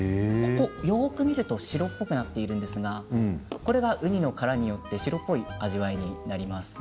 よく見ると白っぽくなっているんですがこれがウニの殻によって白っぽい味わいになります。